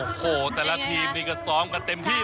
โอ้โหแต่ละทีมนี่ก็ซ้อมกันเต็มที่